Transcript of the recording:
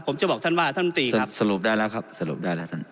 ผมจะบอกท่านว่าท่านตีครับสรุปได้แล้วครับสรุปได้แล้วท่าน